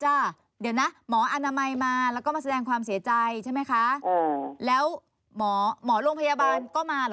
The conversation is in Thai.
เดี๋ยวนะหมออนามัยมาแล้วก็มาแสดงความเสียใจใช่ไหมคะแล้วหมอหมอโรงพยาบาลก็มาเหรอ